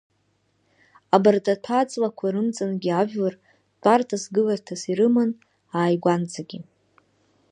Абарҭ аҭәа-ҵлақәа рымҵангьы ажәлар тәарҭас-гыларҭас ирыман ааигәанӡагьы.